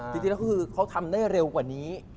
จริงแล้วคือเขาทำได้เร็วกว่านี้